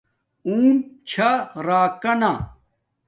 اونٹ چھا راکانا